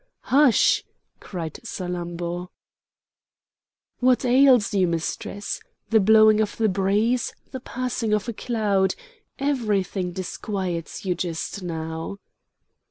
"Hush!" cried Salammbô. "What ails you, mistress? The blowing of the breeze, the passing of a cloud, everything disquiets you just now!"